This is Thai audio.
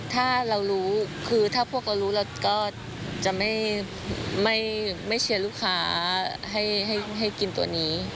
ถ้าเรารู้คือถ้าพวกเรารู้เราก็จะไม่เชียร์ลูกค้าให้กินตัวนี้